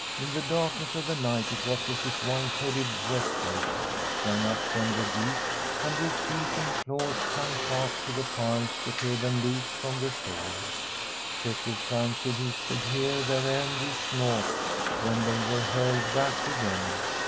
In the darkness of the night it was as if white headed wresters sprang up from the deep, and with teeth and claws clung fast to the piles to tear them loose from the shore. Cecco fancied he could hear their angry snorts when they were hurled back again.